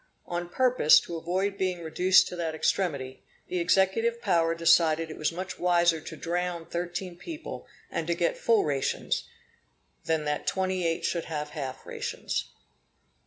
On purpose to avoid being reduced to that extremity, the executive power decided it was much wiser to drown thirteen people, and to get full rations, than that twenty eight should have half rations.